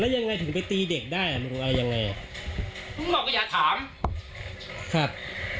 แล้วยังไงถึงไปตีเด็กได้อ่ะมึงเอายังไงมึงบอกว่าอย่าถามครับ